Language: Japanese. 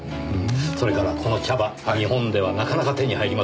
それからこの茶葉日本ではなかなか手に入りません。